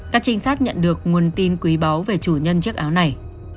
các trinh sát nhận được nguồn tin quý báu về chủ nhân chiếc áo này